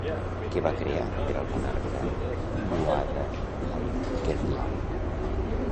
Què va crear per al monarca Nuada Airgetlám?